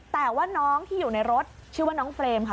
แต่ว่าน้องที่อยู่ในรถชื่อว่าน้องเฟรมค่ะ